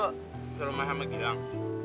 susah rumors ama gilang